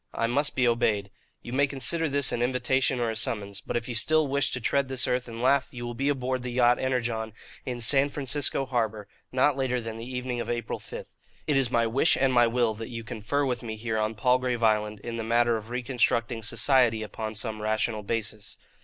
I must be obeyed. You may consider this an invitation or a summons; but if you still wish to tread this earth and laugh, you will be aboard the yacht Energon, in San Francisco harbour, not later than the evening of April 5. It is my wish and my will that you confer with me here on Palgrave Island in the matter of reconstructing society upon some rational basis.